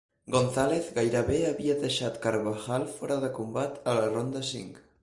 Gonzalez gairebé havia deixat Carbajal fora de combat a la ronda cinc.